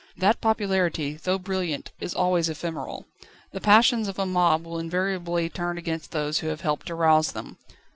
That popularity, though brilliant, is always ephemeral. The passions of a mob will invariably turn against those who have helped to rouse them.